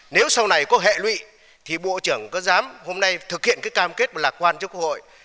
nếu sau này có hệ lụy thì bộ trưởng có dám hôm nay thực hiện cái cam kết lạc quan trước quốc hội